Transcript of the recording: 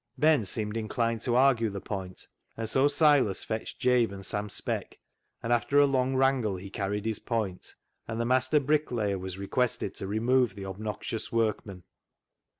Ben seemed inclined to argue the point, and so Silas fetched Jabe and Sam Speck, and, after a long wrangle, he carried his point, and the master bricklayer was requested to remove the obnoxious work man.